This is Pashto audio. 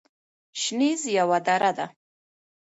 شنیز یوه دره ده